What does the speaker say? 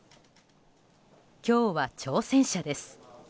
今日は挑戦者です。